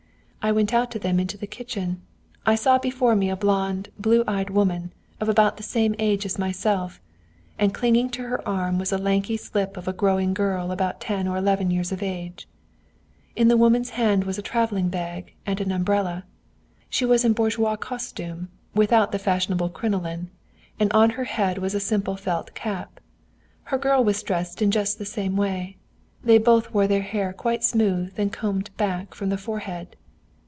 I went out to them into the kitchen. I saw before me a blonde, blue eyed woman, of about the same age as myself, and clinging to her arm was a lanky slip of a growing girl about ten or eleven years of age. In the woman's hand was a travelling bag and an umbrella. She was in bourgeois costume, without the fashionable crinoline, and on her head was a simple felt cap; her girl was dressed in just the same way. They both wore their hair quite smooth and combed back from the forehead.